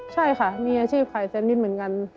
ใช่ค่ะมีอาชีพขายแซนวิชเหมือนกัน